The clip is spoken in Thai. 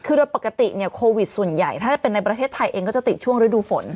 คือโดยปกติเนี่ยโควิดส่วนใหญ่ถ้าจะเป็นในประเทศไทยเองก็จะติดช่วงฤดูฝน